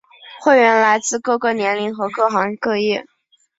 会员来自各个年龄和各行各业。